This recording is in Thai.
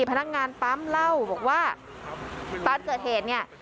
พนักงานปั๊มเล่าบอกว่าตอนเกิดเหตุเนี่ย